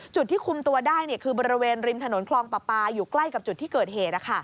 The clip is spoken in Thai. จุดที่คุมตัวได้คือบริเวณริมถนนคลองปลาปลาอยู่ใกล้กับจุดที่เกิดเหตุ